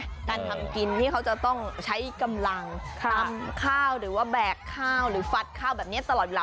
การทำกินที่เขาจะต้องใช้กำลังตำข้าวหรือว่าแบกข้าวหรือฟัดข้าวแบบนี้ตลอดเวลา